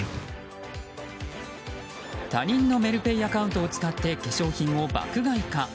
他人のメルペイアカウントを使って化粧品を爆買いか。